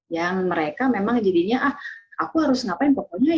yang mereka memang jadinya ah aku harus ngapain pokoknya